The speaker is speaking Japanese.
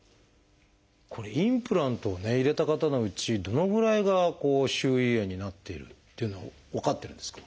これインプラントをね入れた方のうちどのぐらいが周囲炎になっているっていうのは分かってるんですか？